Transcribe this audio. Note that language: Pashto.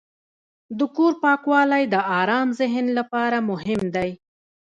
د کور پاکوالی د آرام ذهن لپاره مهم دی.